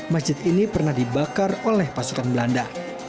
masjid ini pernah dibakar oleh pasukan belanda